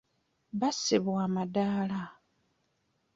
Bassibwa amadaala.